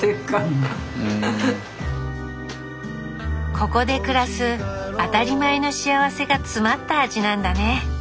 ここで暮らす当たり前の幸せが詰まった味なんだね。